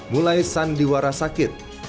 mulai sandiwara sakit